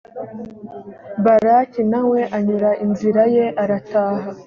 balaki na we anyura inzira ye, arataha.